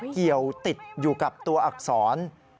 เกี่ยวติดอยู่กับตัวอักษร